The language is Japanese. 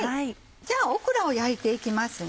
じゃあオクラを焼いていきますね。